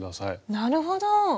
なるほど！